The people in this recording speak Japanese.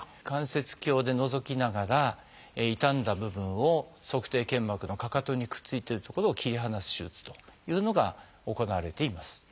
関節鏡でのぞきながら傷んだ部分を足底腱膜のかかとにくっついてる所を切り離す手術というのが行われています。